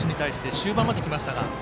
終盤まできましたが。